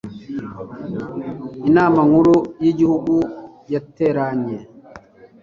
inama nkuru y'igihugu yateranye